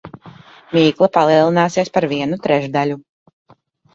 Mīkla palielināsies par vienu trešdaļu.